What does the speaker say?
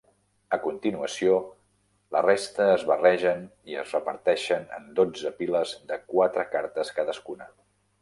A continuació la resta es barregen i es reparteixen en dotze piles de quatre cartes cadascuna.